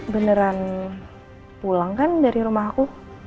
beneran pulang kan dari rumah aku